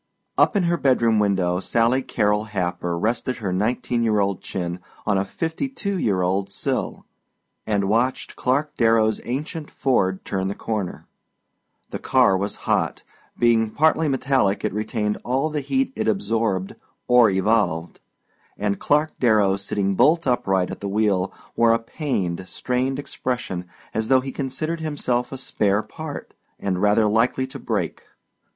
Up in her bedroom window Sally Carrol Happer rested her nineteen year old chin on a fifty two year old sill and watched Clark Darrow's ancient Ford turn the corner. The car was hot being partly metallic it retained all the heat it absorbed or evolved and Clark Darrow sitting bolt upright at the wheel wore a pained, strained expression as though he considered himself a spare part, and rather likely to break.